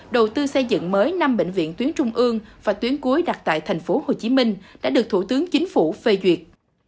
đầu tư xây dựng mới năm bệnh viện tuyến trung ương và tuyến cuối đặt tại tp hcm đã được thủ tướng chính phủ phê duyệt